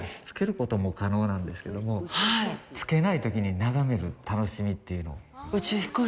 つけることも可能なんですけどもつけないときに眺める楽しみっていうので。